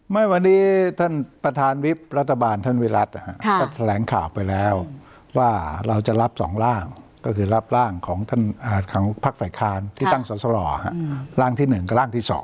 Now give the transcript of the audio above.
ไม่วันนี้ท่านประธานวิทย์รัฐบาลท่านวิรัติอ่ะค่ะก็แถลงข่าวไปแล้วว่าเราจะรับสองร่างก็คือรับร่างของท่านอ่าของภาคไฟฆานที่ตั้งสสรรค่ะอืมร่างที่หนึ่งกับร่างที่สอง